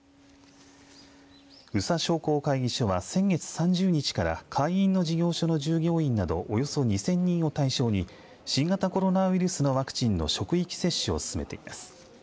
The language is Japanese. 宇佐商工会議所は先月３０日から会員の事業所の従業員などおよそ２０００人を対象に新型コロナウイルスのワクチンの職域接種を進めています。